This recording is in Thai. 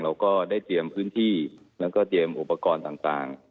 เราก็ได้เตรียมพื้นที่แล้วก็เตรียมอุปกรณ์ต่าง